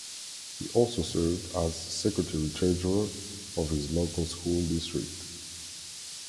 He also served as Secretary-Treasurer of his local school district.